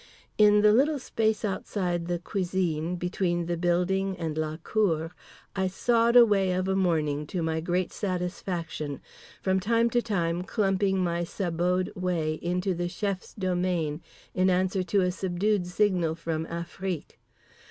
In the little space outside the cuisine, between the building and la cour, I sawed away of a morning to my great satisfaction; from time to time clumping my saboted way into the chef's domain in answer to a subdued signal from Afrique.